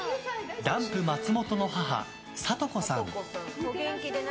ダンプ松本の母・里子さん。